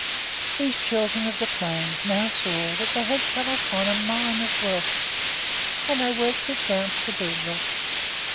These children of the plains now saw that they had come upon a mine of wealth, and they worked it down to the bed rock.